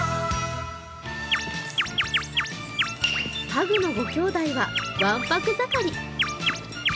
パグの５きょうだいはわんぱく盛り。